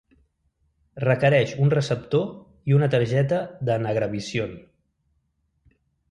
Requereix un receptor i una targeta de Nagravision.